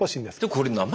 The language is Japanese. これ名前